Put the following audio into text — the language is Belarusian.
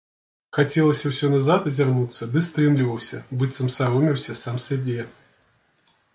Хацелася ўсё назад азірнуцца, ды стрымліваўся, быццам саромеўся сам сябе.